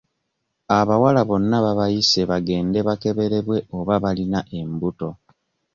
Abawala bonna babayise bagende bakeberebwe oba bayina embuto.